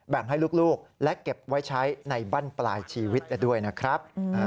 ให้ลูกและเก็บไว้ใช้ในบ้านปลายชีวิตด้วยนะครับ